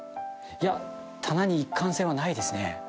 いや棚に一貫性はないですね。